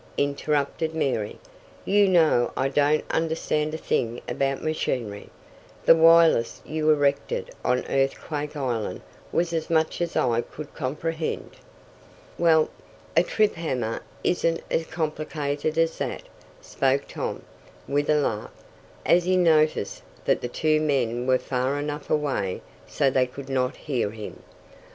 interrupted Mary. "You know I don't understand a thing about machinery. The wireless you erected on Earthquake Island was as much as I could comprehend." "Well, a trip hammer isn't as complicated as that," spoke Tom, with a laugh, as he noticed that the two men were far enough away so they could not hear him.